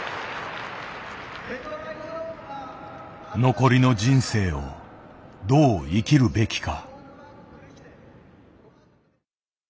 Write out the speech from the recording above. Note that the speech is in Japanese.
残りの人生をどう生きるべきか。